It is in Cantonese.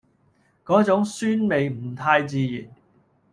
嗰種酸味唔太自然